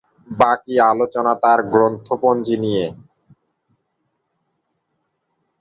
বাকী আলোচনা তার গ্রন্থপঞ্জি নিয়ে।